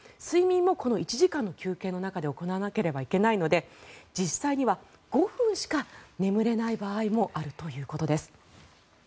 睡眠もこの１時間の休憩の中で行わなければいけないので実際には５分しか眠れない場合もあるということです。